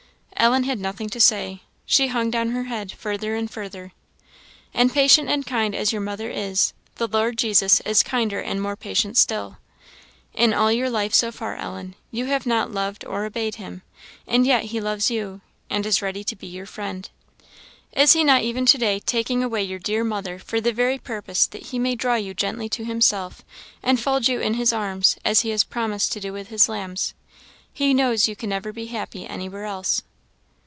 Ellen had nothing to say; she hung down her head further and further. "And patient and kind as your mother is, the Lord Jesus is kinder and more patient still. In all your life so far, Ellen, you have not loved or obeyed him; and yet he loves you, and is ready to be your friend. Is he not even to day taking away your dear mother for the very purpose that he may draw you gently to himself, and fold you in his arms, as he has promised to do with his lambs? He knows you can never be happy anywhere else."